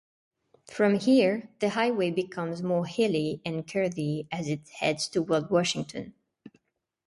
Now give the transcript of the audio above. From here, the highway becomes more hilly and curvy as it heads toward Washington.